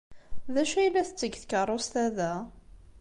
D acu ay la tetteg tkeṛṛust-a da?